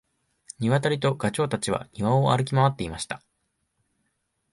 ニワトリとガチョウたちは庭を歩き回っていました。